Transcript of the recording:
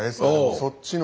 そっちの。